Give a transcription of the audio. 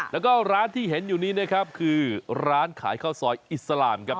แล้วก็ร้านที่เห็นอยู่นี้นะครับคือร้านขายข้าวซอยอิสลามครับ